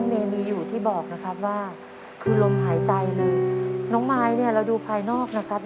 เมย์มีอยู่ที่บอกนะครับว่าคือลมหายใจเลยน้องมายเนี่ยเราดูภายนอกนะครับ